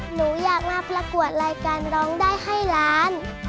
หนูอยากมาประกวดรายการร้องได้ให้ล้าน